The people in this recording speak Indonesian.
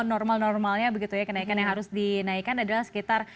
normal normalnya begitu ya kenaikan yang harus dinaikkan adalah sekitar